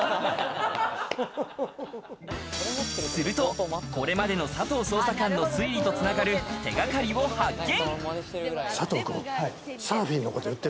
すると、これまでの佐藤捜査官の推理とはつながる手掛かりを発見。